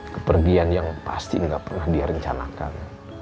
kepergian yang pasti nggak pernah dia rencanakan